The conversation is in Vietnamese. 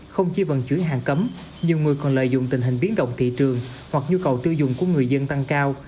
không chỉ vận chuyển hàng cấm nhiều người còn lợi dụng tình hình biến động thị trường hoặc nhu cầu tiêu dùng của người dân tăng cao